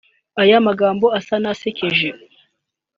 Ayo magambo asa n’asekeje